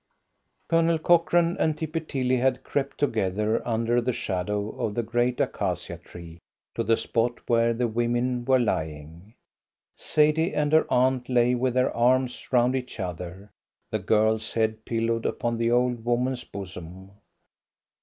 Colonel Cochrane and Tippy Tilly had crept together under the shadow of the great acacia tree to the spot where the women were lying. Sadie and her aunt lay with their arms round each other, the girl's head pillowed upon the old woman's bosom.